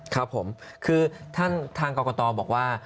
ครับผมคือท่านทางกรกตบอกว่า